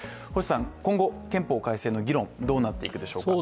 今後、憲法改正の議論どうなっていくでしょうか。